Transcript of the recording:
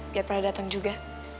biar pra dateng juga